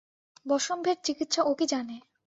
বসম্ভের চিকিৎসা ও কী জানে?